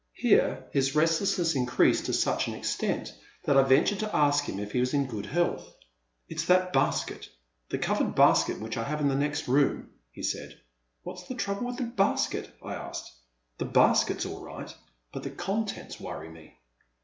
Here his restlessness increased to such an extent that I ventured to ask him if he was in good health. *' It's that basket — the covered basket which I have in the next room,*' he said. '* What 's the trouble with the basket? " I asked. The basket's all right — but the contents worry me."